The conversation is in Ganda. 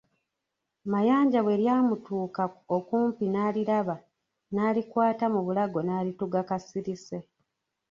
Mayanja bwe lyamutuuka okumpi n'aliraba, n'alikwata mu bulago n'alituga kasirise.